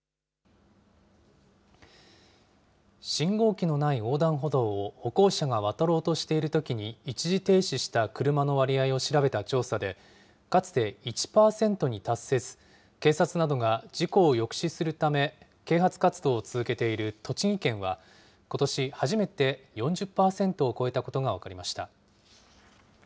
信号機のない横断歩道を、歩行者が渡ろうとしているときに一時停止した車の割合を調べた調査で、かつて１％に達せず、警察などが事故を抑止するため、啓発活動を続けている栃木県は、ことし初めて４０％を超えたことが分かりました。